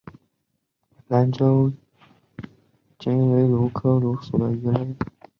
兰州鲇为鲇科鲇属的鱼类。